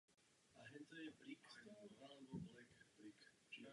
Mužský tým hrál extraligu.